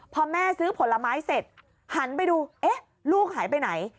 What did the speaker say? พอแม่ซื้อผลไม้เสร็จหันไปดูเอ๊ะลูกหายไปไหน